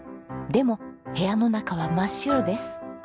でも部屋の中は真っ白です。